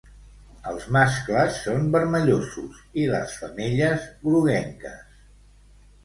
Els mascles són vermellosos i les femelles groguenques.